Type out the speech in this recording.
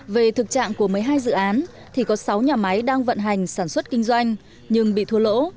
về thực trạng của một mươi hai dự án thì có sáu nhà máy đang vận hành sản xuất kinh doanh nhưng bị thua lỗ